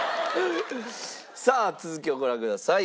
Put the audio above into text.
さあ続きをご覧ください。